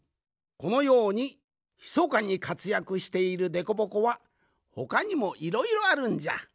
このようにひそかにかつやくしているでこぼこはほかにもいろいろあるんじゃ。